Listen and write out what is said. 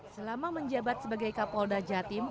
selama menjabat sebagai kapolda jatim